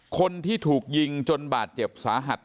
คนที่ถูกยิงจนบาดเจ็บสาหัส